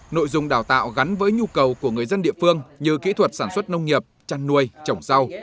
nội dung đào tạo gắn với nhu cầu của người dân địa phương như kỹ thuật sản xuất nông nghiệp chăn nuôi trồng rau